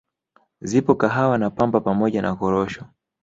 Zipo Kahawa na Pamba pamoja na Korosho